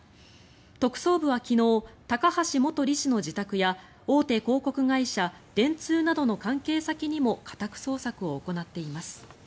特捜部は昨日高橋元理事の自宅や大手広告会社、電通などの関係先にも家宅捜索を行っています。